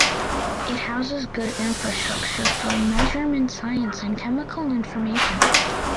It houses good infrastructure for measurement science and chemical information.